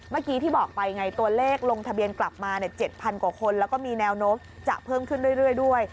เมื่อกี้ที่บอกไปไงตัวเลขลงทะเบียนกลับมา๗๐๐กว่าคนแล้วก็มีแนวโน้มจะเพิ่มขึ้นเรื่อยด้วย